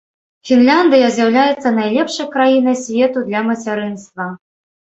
Фінляндыя з'яўляецца найлепшай краінай свету для мацярынства.